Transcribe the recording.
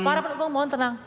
para pendukung mohon tenang